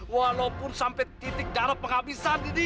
walaupun sampai titik darah penghabisan didi